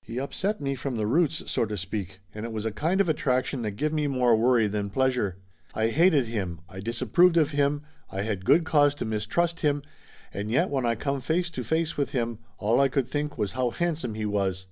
He upset me from the roots, so to speak, and it was a kind of attraction that give me more worry than pleasure. I hated him, I disapproved of him, I had good cause to mistrust him, and yet when I come face to face with him, all I could think was how handsome he was.